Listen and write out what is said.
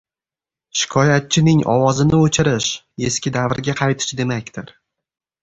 Shikoyatchining ovozini o‘chirish – eski davrga qaytish demakdir